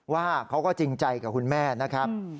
ว่าเขาก็จริงใจกับคุณแม่นะครับ